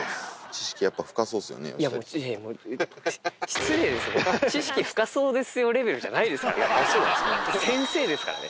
知識深そうですよレベルじゃないですからね。